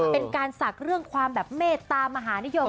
เป็นการศักดิ์เรื่องความแบบเมตตามหานิยม